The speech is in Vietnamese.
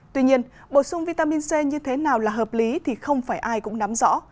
tuy nhiên bổ sung vitamin c như thế nào là hợp lý thì không phải ai cũng nắm rõ